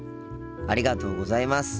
ありがとうございます。